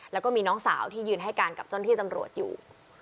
แล้วก็มีน้องสาวที่ยืนให้การกับเจ้าหน้าที่ตำรวจอยู่